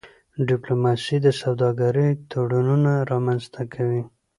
ډيپلوماسي د سوداګرۍ تړونونه رامنځته کوي.